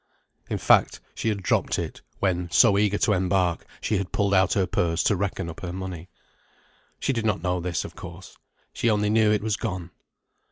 In fact she had dropped it when, so eager to embark, she had pulled out her purse to reckon up her money. She did not know this, of course. She only knew it was gone.